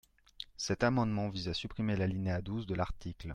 Cet amendement vise à supprimer l’alinéa douze de l’article.